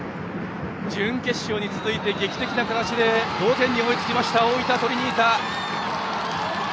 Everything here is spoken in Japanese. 準決勝に続いて劇的な形で同点に追いつきました大分トリニータ。